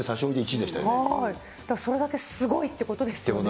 それだけすごいってことです